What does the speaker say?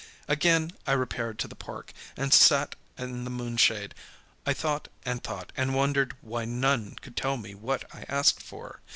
Again I repaired to the park and sat in the moon shade. I thought and thought, and wondered why none could tell me what I asked for.